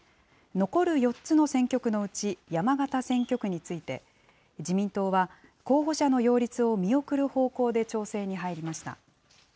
残る４つの選挙区のうち、山形選挙区について、自民党は、候補者の擁立を見送る方向で調整に入りました。